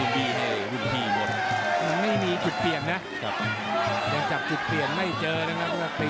ติดแล้วติดติดแล้วติดติดแล้วติดอย่างเดียวนะครับ